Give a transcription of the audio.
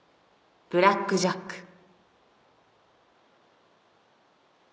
「ブラック・ジャック」